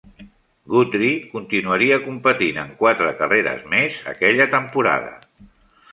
Guthrie continuaria competint en quatre carreres més aquella temporada.